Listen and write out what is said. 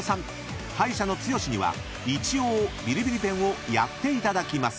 ［敗者の剛には一応ビリビリペンをやっていただきます］